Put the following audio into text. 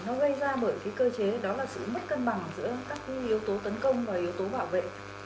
nó gây ra bởi cái cơ chế đó là sự mất cân bằng giữa các yếu tố tấn công và yếu tố bảo vệ